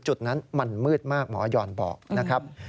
จุดนั้นมันมืดมากหมอยอนบอกนะครับ